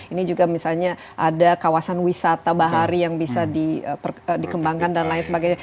ini juga misalnya ada kawasan wisata bahari yang bisa dikembangkan dan lain sebagainya